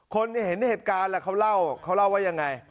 คนเห็นเหตุการณ์แหละเขาเล่าเขาเล่าว่ายังไง